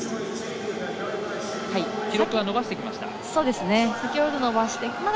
記録は伸ばしてきました。